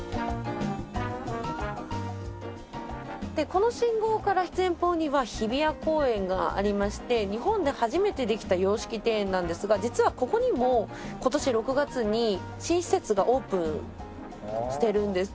この信号から前方には日比谷公園がありまして日本で初めてできた洋式庭園なんですが実はここにも今年６月に新施設がオープンしてるんです。